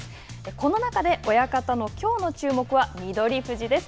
この中で親方のきょうの注目は翠富士です。